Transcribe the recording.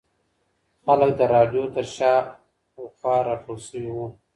خلک د رادیو تر شاوخوا راټول شوي وو.